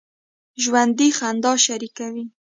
ژوندي خندا شریکه وي